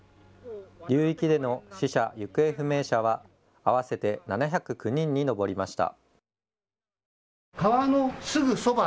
流域での死者、行方不明者は合わせて７０９人に上りました。